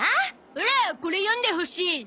オラこれ読んでほしい！